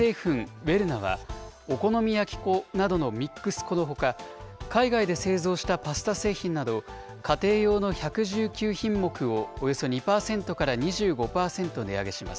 ウェルナは、お好み焼き粉などのミックス粉のほか、海外で製造したパスタ製品など、家庭用の１１９品目をおよそ２％から２５％値上げします。